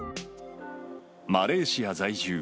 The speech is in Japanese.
マレーシア在住。